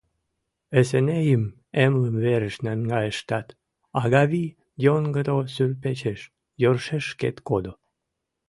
Эсенейым эмлымверыш наҥгайыштат, Агавий йоҥгыдо суртпечеш йӧршеш шкет кодо.